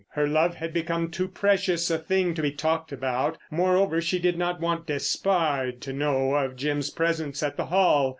Her love had become too precious a thing to be talked about. Moreover, she did not want Despard to know of Jim's presence at the Hall.